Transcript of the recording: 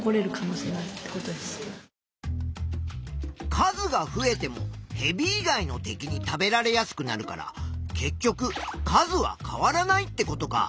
数が増えてもヘビ以外の敵に食べられやすくなるから結局数は変わらないってことか。